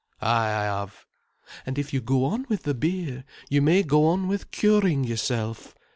"Ah, I have." "And if you go on with the beer, you may go on with curing yourself.